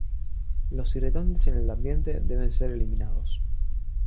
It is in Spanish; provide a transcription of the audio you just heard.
Los irritantes en el ambiente deben ser eliminados.